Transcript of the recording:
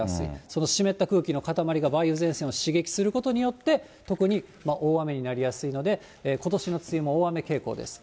その湿った空気の塊が梅雨前線を刺激することによって、特に大雨になりやすいので、ことしの梅雨も大雨傾向です。